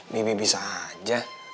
bebe bisa aja